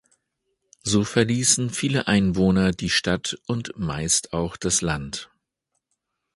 So verließen viele Einwohner die Stadt und meist auch das Land.